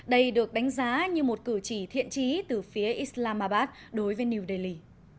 đây được đánh giá như một cử chỉ thiện trí từ phía islamabad đối với new delhi